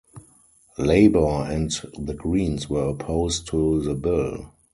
Labor and the Greens were opposed to the bill.